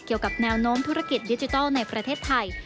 เกี่ยวกับแนวโน้มธุรกิจดิจิทัลในประเทศไทย